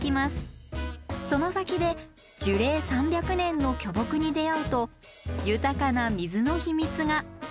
その先で樹齢３００年の巨木に出会うと豊かな水の秘密が。